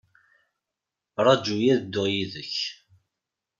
Raju-yi ad dduɣ yid-k.